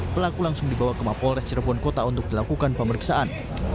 pelaku langsung dibawa ke mapolres cirebon kota untuk dilakukan pemeriksaan